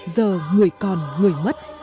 giờ người còn người mất